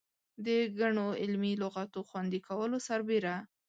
د ګڼو علمي لغاتو خوندي کولو سربېره.